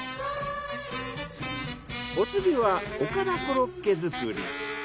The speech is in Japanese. お次はおからコロッケ作り。